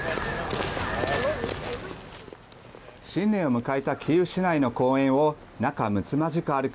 新年を迎えたキーウ市内の公園を仲むつまじく歩く